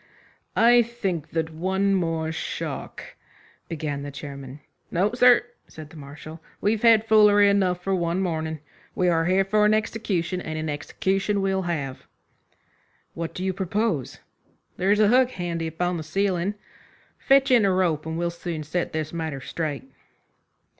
"I think that one more shock " began the chairman. "No, sir," said the Marshal "we've had foolery enough for one morning. We are here for an execution, and a execution we'll have." "What do you propose?" "There's a hook handy upon the ceiling. Fetch in a rope, and we'll soon set this matter straight."